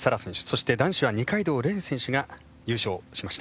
そして男子は二階堂蓮選手が優勝しました。